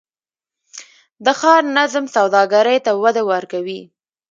د ښار نظم سوداګرۍ ته وده ورکوي؟